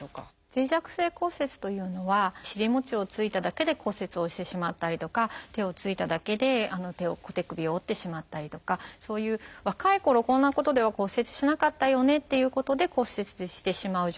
脆弱性骨折というのは尻もちをついただけで骨折をしてしまったりとか手をついただけで手首を折ってしまったりとかそういう若いころこんなことでは骨折しなかったよねっていうことで骨折してしまう状態